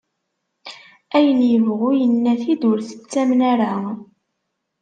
Ayen yebɣu yenna-t-id, ur t-ttamen ara.